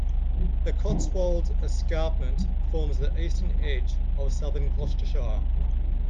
The Cotswolds Escarpment forms the eastern edge of South Gloucestershire.